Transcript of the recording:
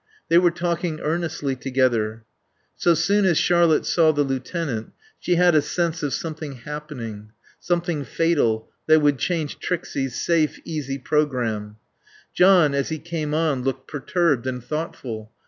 They were talking earnestly together. So soon as Charlotte saw the lieutenant she had a sense of something happening, something fatal, that would change Trixie's safe, easy programme. John as he came on looked perturbed and thoughtful.